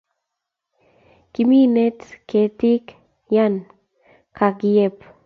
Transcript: Kiminet ketik yan ka kiyep